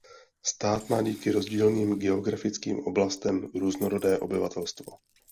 Stát má díky rozdílným geografickým oblastem různorodé obyvatelstvo.